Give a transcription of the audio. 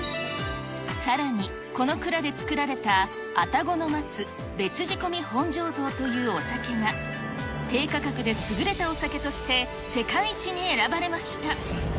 さらにこの蔵で作られた愛宕の松別仕込本醸造というお酒が、低価格で優れたお酒として世界一に選ばれました。